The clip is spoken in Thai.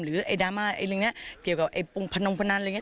หรือดราม่าอะไรอย่างนี้เกี่ยวกับพรงพนองพนันอะไรอย่างนี้